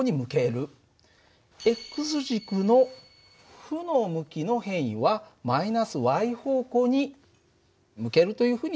軸の負の向きの変位は−方向に向けるというふうに変換していく。